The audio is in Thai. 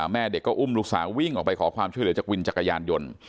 แม่เด็กก็อุ้มลูกสาววิ่งออกไปขอความช่วยเหลือจากวินจักรยานยนต์